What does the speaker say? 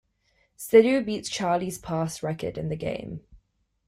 Siddhu beats Charlie's past record in the game.